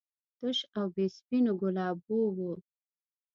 تش او بې سپینو ګلابو و.